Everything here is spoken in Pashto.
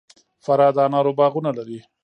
فراه د انارو باغونه لري